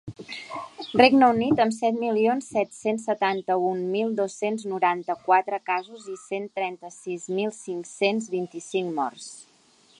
Regne Unit, amb set milions set-cents setanta-un mil dos-cents noranta-quatre casos i cent trenta-sis mil cinc-cents vint-i-cinc morts.